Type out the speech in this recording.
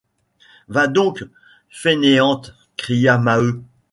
Va donc, fainéante! cria Maheu.